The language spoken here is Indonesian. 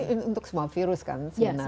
ini untuk semua virus kan sebenarnya